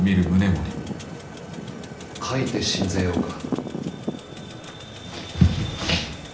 書いて進ぜようか。